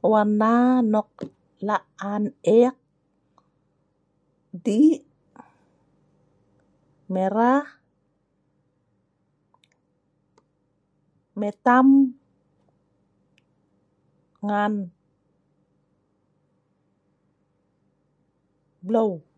Colour that I like red, black and dark colour.